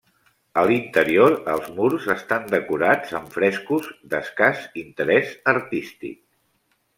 A l'interior els murs estan decorats amb frescos d'escàs interès artístic.